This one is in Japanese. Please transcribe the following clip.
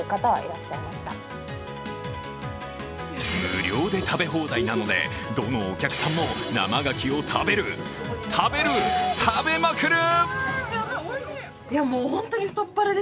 無料で食べ放題なので、どのお客さんも生牡蠣を食べる、食べる食べまくる！